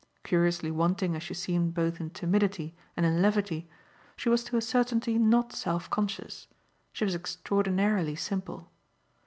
Curiously wanting as she seemed both in timidity and in levity, she was to a certainty not self conscious she was extraordinarily simple.